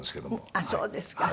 あっそうですか。